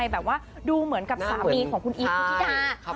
แบบว่าดูเหมือนกับสามีของคุณอีฟพุธิดา